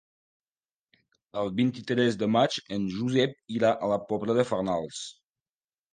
El vint-i-tres de maig en Josep irà a la Pobla de Farnals.